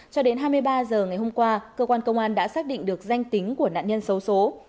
cho đến hai mươi ba h ngày hôm qua cơ quan công an đã xác định được danh tính của nạn nhân xấu xố